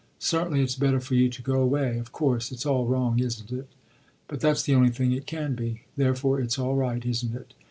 Certainly it's better for you to go away. Of course it's all wrong, isn't it? but that's the only thing it can be: therefore it's all right, isn't it?